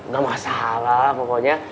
gak masalah pokoknya